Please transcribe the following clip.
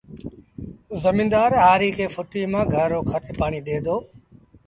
زميݩدآر هآريٚ کي ڦُٽيٚ مآݩ گھر رو کرچ پآڻيٚ ڏي دو